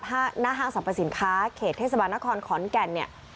หน้าห้างสรรพสินค้าเขตเทศบาลนครขอนแก่นเนี่ย